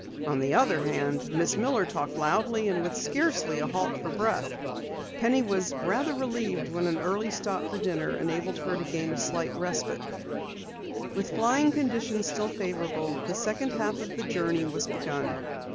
On the other hand, Miss Miller talked loudly and with scarcely a halt for breath. Penny was rather relieved when an early stop for dinner enabled her to gain a slight respite. With flying conditions still favorable, the second half of the journey was begun.